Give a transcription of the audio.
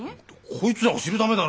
こいつらを知るためだろ。